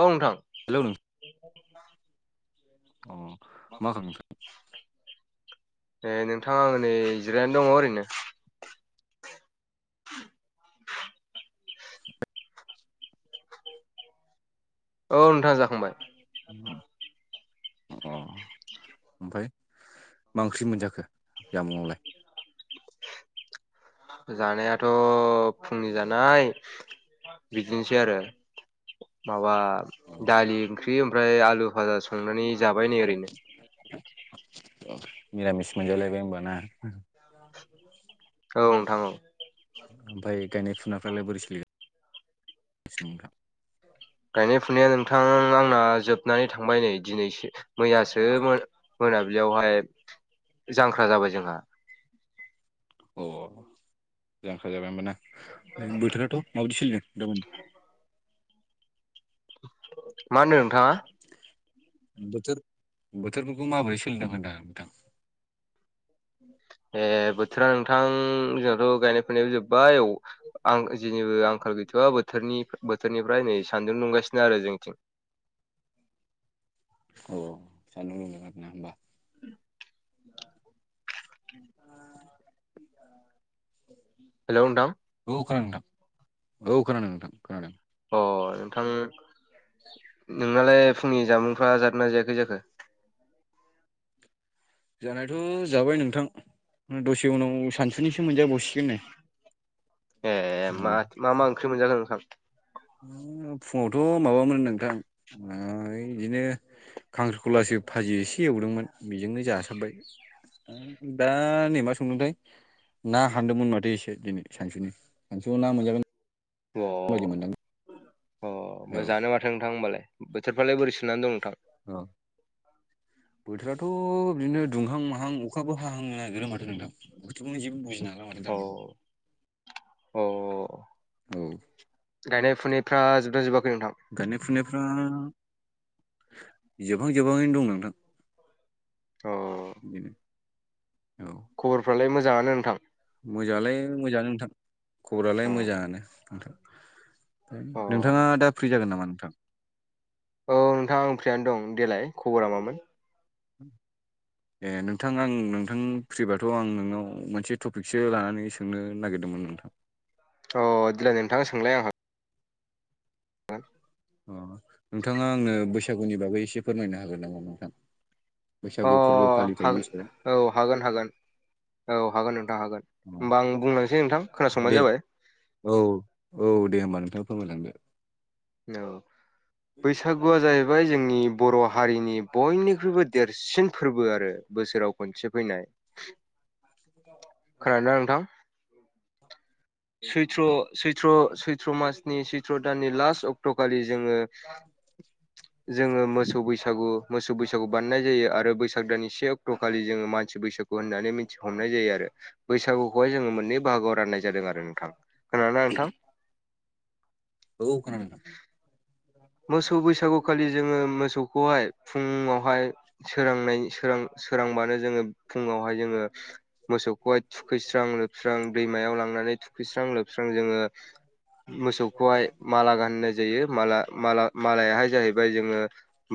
औ नोंथां। हेलौ नों ए नोंथाङा आं नै जिरायनानै दङ ओरैनो। [inaudible] औ नोंथाङां जाखांबाय। [inaudible] अ ओमफ्राय मा ओंख्रि मोनजाखो जामुंआवलाय? जानायाथ' फुंनि जानाय बिदिनोसै आरो माबा दालि ओंख्रि ओमफ्राय आलु फाजा संनानै जाबाय नै ओरैनो। मिरा मिस मोनजालायबाय होनबाना। [unintelligible] औ नोंथां औ। ओमफाय गायनाय फुनायफ्रालाय बोरै सोलिगासिनो नोथां? गायनाय फुनाया नोंथां आंना जोबनानै थांबाय नै दिनै मैयासो मोनाबिलियावहाय जांख्रा जाबाय जोंहा। अ मोजांखा जाबाय हबाना बोथोराथ' माबायदि सोलिदों गाबोन बोथोर- बोथोरफोरखौ माबोरै सोलिदों होनदां नोंथां? ए बोथोरा नोंथां जोंननाथ' गायनाय फुनायबो जोब्बाय आं जेनिबो आंखाल गैथ'वआ बोथनि- बोथोरनिफ्राय नै सानदुं दुंगासिनो आरो जोंनिथिं। औ स ब न हबा [unintelligible] उम आ [unintelligible] औ खोनादों नोंथां औ खोनादों नोंथां खोनादों अ नोंथां नोंनालाय फुंनि जामुंफ्रा जादोंना जायाखै जाखो जानायथ' जाबाय नोंथां दसे उनाव सानसुनिसो मोनजाबावसिगोन ने ए मा मा ओंख्रि मोनजागोन नोंथां फुङावथ' माबामोन नोंथां ओइ बिदिनो खांख्रिखलासो फाजि एसे एवदोंमोन बेजोंनो जासाबबाय दा नेै मा सोंनोथाय। ना हानदोंमोन माथो एसे दिनै सानसुनि सानसुआव ना मोनजागोन अ अ मजानो मा नोंथां होमबालाय बोथोरफ्रालाय बोरै सोनानै दं नोंथां? अ। बोथोराथ' बिदिनो दुंहां माहां अखाबो हाहांनो नागिरो माथो नोंथां। बुथु खौनो जेबुजिनोला [unintelligible] अ अ। गायनाय फुनायफ्रा जोबदा जोबाखै नोंथां? गाननाय फुनायफ्रा जोबहां जोबहाङैनो दं नोंथां बि [unintelligible] खबरफ्रालाय मोजाङानो नोंथां। मोजाङलाय मोजाङानो नोंथां खबरालाय मोजाङानो नोंथां। नोंथाङा दा फ्रि जागोन नामा नोंथां? औ नोंथाङा आं फ्रियानो दं देलाय खबरा मामोन? [inaudible] ए नोंथां आं नोंथां फ्रिबाथ' आं नोंनाव मोनसे टपिकसो लानानै सो सोंनो नागिरदोंमोन नोंथां। अह देल्लाय नोंथां सोंलाय आंहा [inaudible] अ नोंथाङा आंनो बैसागुनि बागै एसे फोरमायनो हागोन नामा नोंथां? अ औ हागोन हागोन औ हागोन नोंथां हागोन। होमबा आं बुंलांनोसै नोंथां खोनासंबानो जाबाय औ औ दे होम्बा नोंथाङा फोरमायलांदो। औ। बैसागुआ जाहैबाय जोंनि बर' हारिनि बयनिख्रुइबो देरसिन फोरबो आरो बोसोराव खनसे फैनाय [inaudible] खोनदोंना नोंथां। सैत्र सैर सैत्र मासनि सैत्र' दाननि लास्ट अ सतखालि जोङो जोङो मोसौ बैसागु मोसौ बैसागु बानायनाय जायो आरो बैसाग दानानि से अक्ट' खालि जोङो मानसि बैसागु होननानै। हमनाय जायो आरो बैसागुखौहाय जोङो मोननै बाहागोआव राननाय जादों आरो नोंथां खाना नोंथां। औ मोसौ बैसागुखालि जोङो मोसौखौहाय फुङावहाय सोरनाय सोर सोरांबानो जोङो फुङावहाय जोङो। मोसौखौहाय थुखैस्रां लोबस्रां दैमायाव लांनानै थुखैस्रां लोबस्रां जोङो। मोसौखौहाय माला गाननाय जायो मालााला मालायाहाय जाहैबाय जोङो।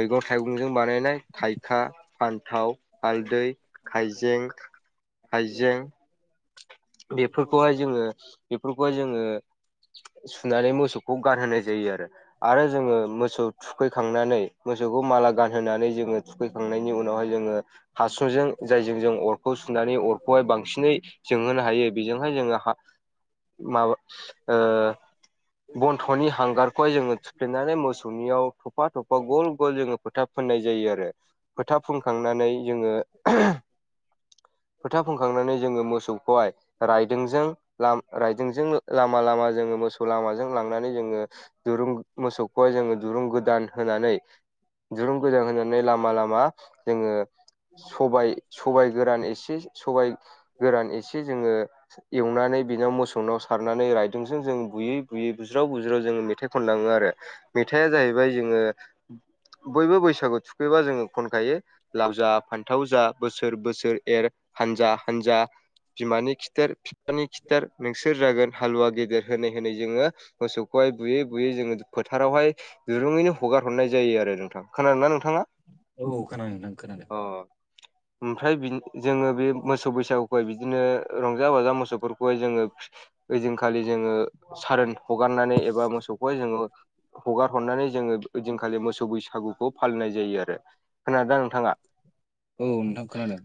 मैगं थाइगंजों बानायनाय थाइखा फान्थाव ' हालदै हाइजें हाइजें बेफोरखौहाय जोङो बेफोरखौहाय जोङो। सुनानै मोसौखौ गानहोनाय जायो आरो। आरो जोङो मोसौ थुखैखांनानै मोसौखौ माला गानहोनानै जोङो। थुखैखांनायनि उनावहाय जोङो हासुंजों जायजों जों अरखौ सुनानै अरखौहाय बांसिनै। जोंहोनो हायो बेजोंहाय जोङो माबा बन्थ'नि हांगारखौहाय जोङो। फ्लेनानै मोसौनियाव थफा थफा गल गल जोङो फोथा फोननाय जायो आरो। फोथा फुंखांनानै जोङो फोथा फुंखांनानै जोङो मोसौ। खौहाय रायदोंजों लाम राइदोंजों लामा लामा जोङो मोसौ लामाजों लांनानै जोङो। दुरुं मोसौखौहाय जोङो दुरुं गोदान होनानै। दुरुं गोजां होनानै लामा लामा जोङो। सबाय सबाय गोरान एसे सबाय गोरान एसे जोङो। एवनानै बिनाव मोसौनाव सारनानै रायदोंजों जों बुयै बुयै बुज्राव बुज्राव जोङो मेथाइ खनलाङो आरो मेथाइआ जाहैबाय जोङो बयबो बैसागु थुखैबा जोङो खनखायो। लाव जा फान्थाव जा बोसोर बोसोर एर हानजा हानजा। बिमानि खिथार बिफानि खिथार नोंसोर जागोन हालुवा गेदेर होनै होनै जोङो। मोसौखौहाय बुयै बुयै जोङो फोथारावहाय दुरुङैनो हगार हरनाय जायो आरो नोंथां। खोनादोंना नोंथाङा। औ खोनादों नोंथां खोनादों ओमफ्राय बि जोङो बे मोसौ बैसागुखौ बिदिनो रंजा बाजा मोसौफोरखौहाय जोङो ओइदिनखालि जोङो सारोन हगारनानै एबा मोसौखौ जोङो हगार हरनानै जोङो खालि मोसौ बैसागुखौ फालिनाय जायो आरो खोनादोंदा नोंथाङा औ नोंथां खोनादों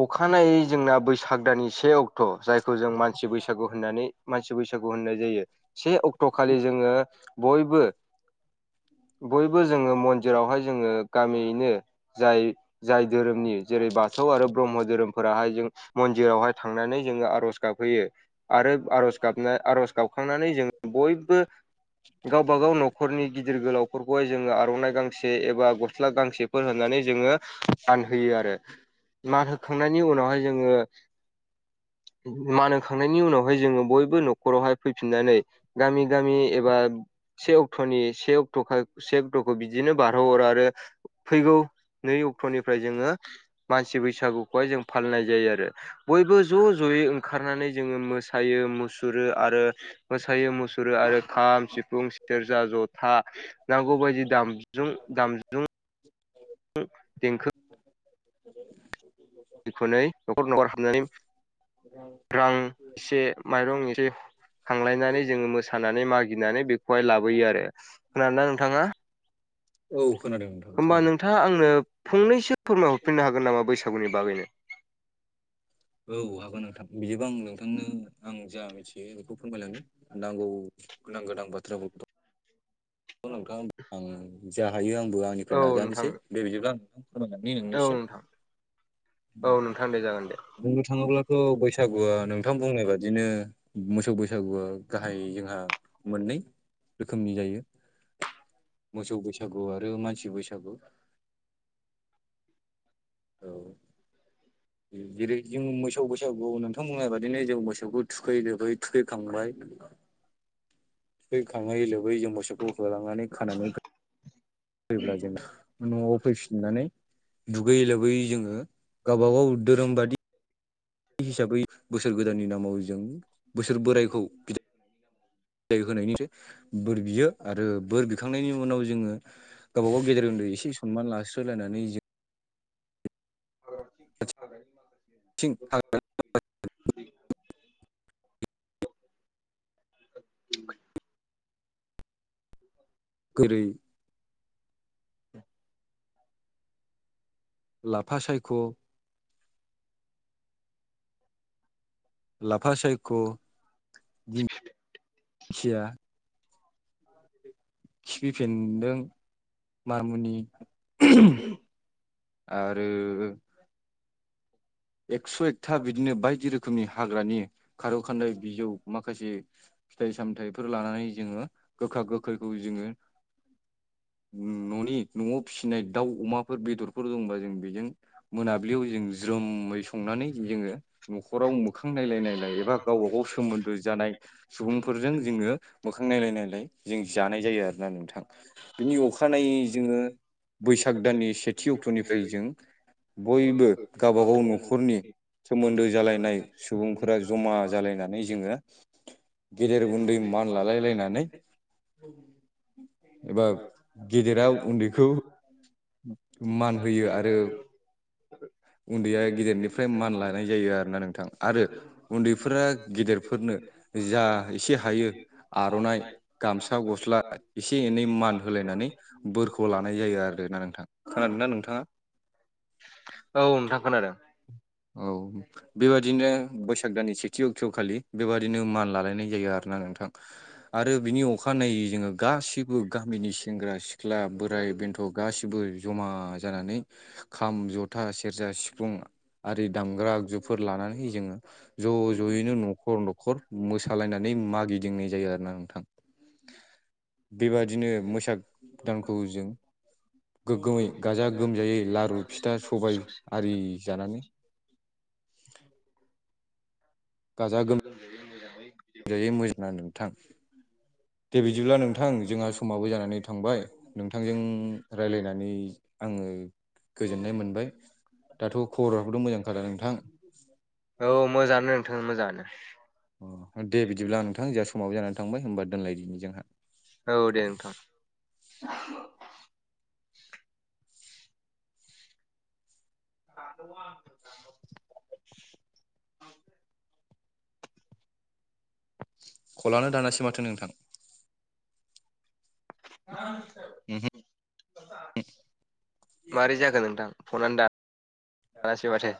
अखानायै जोंना बैसाग दाननि से अक्ट' जायखौ जों मानसि बैसागु होननानै मानसि बैसागु होननाय जायो से अक्ट' खालि जोङो बयबो बयबो जोङो मन्दिरावहाय जोङो गामियैनो। जाय जाय धोरोमनि जेरै बाथौ आरो ब्रह्म धोरोमफोराहाय जों मन्दिरावहाय थांनानै जोङो आरज गाबहैयो आरो आर'ज गाबनो आर'ज गाबखांनानै जों बयबो गावबागाव न'खरनि गिदिर गोलावफोरखौहाय जोङो आर'नाइ गां गांसे एबा गस्ला गांसेफोर होननानै जोङो मानहोयो आरो मान होखांनायनि उनावहाय जोङो मान होखांनायनि उनावहाय जोङो बयबो न'खरावहाय फैफिननानै गामि गामि एबा से अक्ट'नि से अक्ट' से अक्ट'खौ बिदिनो बारहोहरो आरो फैगौ नै अक्ट'निफ्राय जोङो मानसि बैसागुखौहाय जों फालिनाय जायो आरो बयबो ज' ज'यै ओंखारनानै जोङो मोसायो मुसु सुरो आरो मोसायो मुसुरो आरो खाम सिफुं सेरजा जथा नांगौ बायदि दामजु दामजु जुं देंखो खनै न'खर नखर हाबनानै रां एसे माइरं एसे खांलायनानै जोङो मोसानानै मागिनानै बेखौहाय लाबोयो आरो खोनादोंना नोंथाङा होमबा नोंथाङा आंनो फंनैसो फोरमायहरफिननो हागोन नामा बैसागुनि बागैनो औ हागोन नोंथां बिदिबा आं नोंथांनो आं जा मिथियो बेखौ फोरमायलांगोन दा नांगौ नां गोनां बाथ्राफोरखौथ नोंथां [unintelligible] जा हायो आंबो आंनिफ्राय नाजानिसै बे बिदिब्ला आ नोंथां [unintelligible] औ बुंनो थाङोब्लाथ' बैसागुआ नोंथां बुंनाय बादिनो मोसौ बैसागुआ गाहायै जोंहा मोननै रोखोमनि जायो मोसौ बैसागु आरो मानसि बैसागु औ जेरै जों मोसौ बैसागु नोंथां बुंनाय बादिनो जों मोसौखौ थुखै लोबै जों मोसौखौ थुखैखांबाय खैखाङै लोबै जों मोसौखौ होलांनानै खानानै फैब्ला जोङो न'आव फैफिननानै दुगैयै लोबैयै जोङो गावब गाव धोरोम बादि हिसाबै बोसोर गोदाननि नामाव जों बोसोर बोराइखौ होनायनिफ्राय बोर बियो आरो बोर बिखांनायनि उनाव जोङो गावबा गाव गेदेर उन्दै एसे सनमान लास्रोलायनानै जों [unintelligible] [inaudible] गोरै लाफा सायख' लाफा सायख' [inaudible] [unintelligible] खिफिफेन्दों मारमुनि आरो एकस' एकथा बिदिनो बायदि रोखोमनि हाग्रानि खारौ खान्दाय बिजौ माखासे फिथाइ सामथायफोर लानानै जोङो गोखा गोखैखौ जोङो [unintelligible] न'आव फिसिनाय दाउ अमाफोर बेदरफोर दंबा जों बेजों मोनाब्लियाव जों ज्रोम संनानै जोङो न'खराव मोखां नायलाय नायलाय एबा गावबा गाव सोमोन्दो जानाय सुबुंफोरजों जोङो मोखां नायलाय नायलाय जों जानाय जायो आरोना नोंथां। बिनि अखा नायै जोङो बैसाग दाननि सेथि अक्ट'निफ्राय जों बयबो गावबा गाव न'खर नि सोमोन्दो जालायनाय सुबुंफोरा जमा जालायनानै जोङो गेदेर उन्दै मान लालायलायनानै एबा गेदेराव उन्दैखौ मान होयो आरो उन्दैया गेदेरनिफ्राय मान लानाय जायो आरोना नोंथां आरो उन्दैफोरा गेदेरफोरनो जा एसे हायो आर'नाइ गामसा गस्ला एसे एनै मान होलायनानै बोरखौ लानाय जायो आरोना नोंथां। खोनादों ना नोंथाङा? औ नोंथां खोनादों। औ। बेबादिनो बैसाग दाननि सेथि अक्ट'खालि बेबादिनो मान लालायनाय जायो आरोना नोंथां आरो बिनि अखानायै जोङो गासिबो गामिनि सेंग्रा सिख्ला बोराइ बेन्थ' गासिबो जमा जानानै खाम ज था सेरजा सिफुं आरि दामांग्रा आगजुफोर लानानैहै जोङो ज' ज'यैनो न'खर न'खर मोसालायनानै मागिदिंनाय जायो आरो ना नोंथां। बेबादिनो मोसाग दानखौ जों गोग्गोमै गाजा गोमजायै लारु फिथा सबाय आरि जानानै गाजा गोम जायै मोजांना नोंथां दे बिदिब्ला नोंथां जोंहा समाबो जानानै थांबाय नोंथांजों राय्लायनानै आङो गोजोननाय मोनबाय। दाथ' खबराबोथ' मोजां खादा नोंथां? औ मोजाङानो नोंथां मोजाङानो। अ दे बिदिब्ला नोंथां जोंहा समावबो जानानै थांबाय होनोमबा दोनलायदिनि जोंहा। औ दे नोंथां। [unintelligible] कलानो दानासै माथो नोंथां। [inaudible] माबोरै जाखो नोंथां फ'नानै दान दानासै माथो